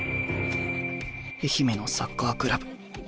愛媛のサッカークラブ。